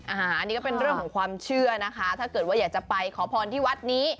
อันนี้ก็เป็นเรื่องของความเชื่อนะคะถ้าเกิดว่าอยากจะไปขอพรที่วัดนี้